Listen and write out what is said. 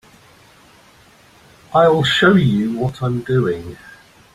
I'll show you what I'm doing.